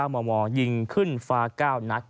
หลังใช้ปืนก้าวมองยิงขึ้นฟ้าเก้านัด